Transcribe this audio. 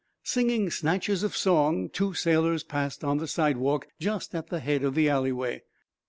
Singing snatches of song, two sailors passed on the sidewalk, just at the head of the alleyway.